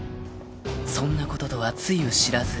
［そんなこととはつゆ知らず］